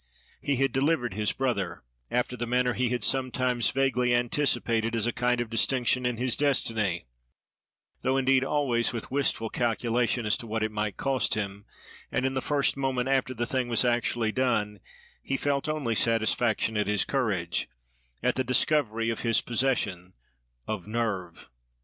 He had delivered his brother, after the manner he had sometimes vaguely anticipated as a kind of distinction in his destiny; though indeed always with wistful calculation as to what it might cost him: and in the first moment after the thing was actually done, he felt only satisfaction at his courage, at the discovery of his possession of "nerve."